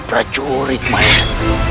baiklah kita lagi menjadi k like